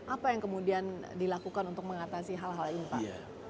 apa yang kemudian dilakukan untuk mengatasi hal hal ini pak